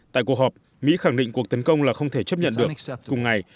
tại cuộc họp mỹ khẳng định cuộc tấn công là không thể chấp nhận được cùng ngày